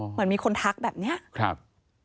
เหมือนมีคนทักแบบเนี้ยครับ